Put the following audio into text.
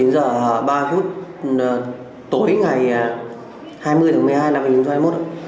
chín giờ ba phút tối ngày hai mươi tháng một mươi hai năm hai nghìn hai mươi một